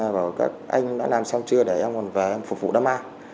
bảo các anh đã làm xong chưa để em còn về phục vụ đám ma